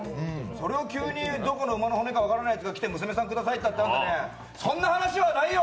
それを急にどこの馬の骨か分からないやつが来て娘さんくださいってあんたね、そんな話はないよ！